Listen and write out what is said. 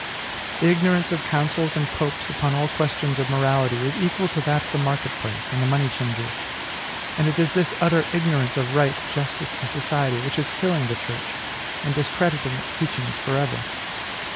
The ignorance of councils and popes upon all questions of morality is equal to that of the market place and the money changers; and it is this utter ignorance of right, justice, and society, which is killing the Church, and discrediting its teachings for ever.